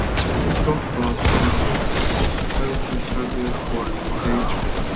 Hiscock was an unsuccessful candidate for reelection.